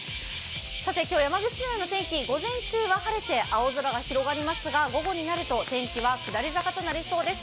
今日山口市内の天気、午前中は晴れて青空が広がりますが、午後になると天気は下り坂となりそうです。